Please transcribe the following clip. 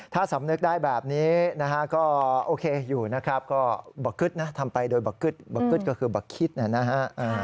ถ้าสำนึกได้แบบนี้นะฮะก็โอเคอยู่นะครับก็บักกึ๊ดนะทำไปโดยบักกึ๊ดบักกึ๊ดก็คือบักคิดนะฮะ